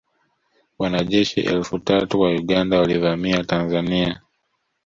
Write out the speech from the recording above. Wanajeshi elfu tatu wa Uganda walivamia Tanzania